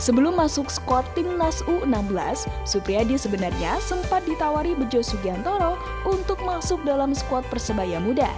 sebelum masuk skuad timnas u enam belas supriyadi sebenarnya sempat ditawari bejo sugiantoro untuk masuk dalam skuad persebaya muda